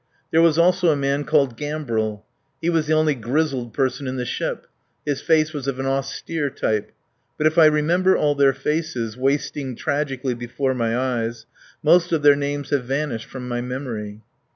There was also a man called Gambril. He was the only grizzled person in the ship. His face was of an austere type. But if I remember all their faces, wasting tragically before my eyes, most of their names have vanished from my memory.